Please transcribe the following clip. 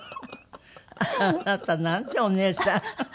あなたなんてお姉ちゃん。